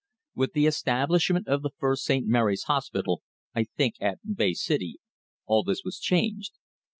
With the establishment of the first St. Mary's hospital, I think at Bay City, all this was changed.